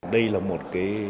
đây là một cái